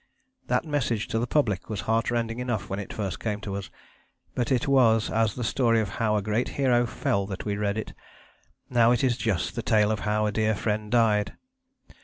That message to the public was heartrending enough when it first came to us, but it was as the story of how a great hero fell that we read it; now it is just the tale of how a dear friend died.